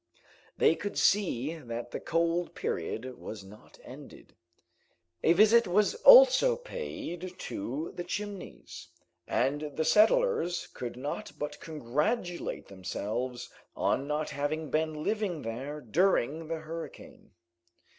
They could see that the cold period was not ended. A visit was also paid to the Chimneys, and the settlers could not but congratulate themselves on not having been living there during the hurricane.